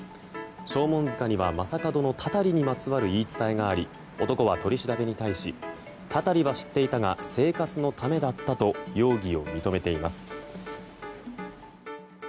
将門塚には将門のたたりにまつわる言い伝えがあり男は取り調べに対したたりは知っていたが生活のためだったと容疑を認めています。